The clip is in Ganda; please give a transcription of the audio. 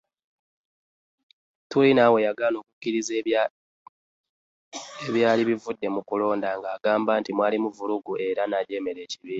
Turinawe yagaana okukkiriza ebyali bivudde mu kulonda ng’agamba nti mwalimu vvulugu era n’ajeemera ekibiina.